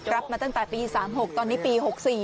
รับมาตั้งแต่ปี๑๙๓๖ตอนนี้ปี๑๙๖๔